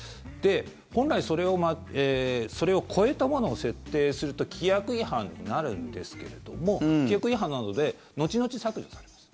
本来、それを超えたものを設定すると規約違反になるんですけれども規約違反なので後々削除されます。